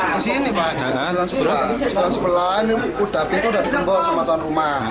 disini mah jalan sebelah jalan sebelah ini pintu sudah dikembal sama tuan rumah